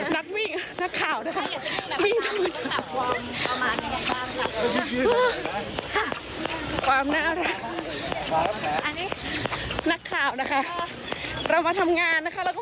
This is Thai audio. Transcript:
นักข่าวเรามาทำงานนะคะเราก็ไม่ได้ออกกำลังกายด้วยค่ะ